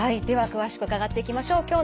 では詳しく伺っていきましょう。